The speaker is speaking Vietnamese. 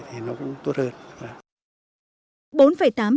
thì nó cũng tốt hơn